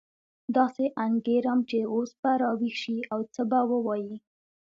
داسې انګېرم چې اوس به راویښ شي او څه به ووایي.